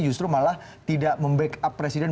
justru malah tidak membackup presiden